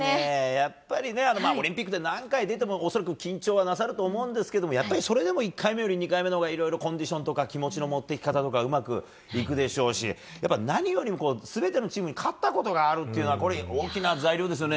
やっぱりオリンピックって何回、出ても恐らく緊張はなさると思いますがやっぱり、それでも１回目より２回目のほうがいろいろコンディションとか気持ちの持っていき方とかうまくいくでしょうし何より全てのチームに勝ったことがあるのは大きい材料ですね。